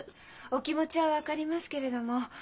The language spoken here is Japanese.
お気持ちは分かりますけれども。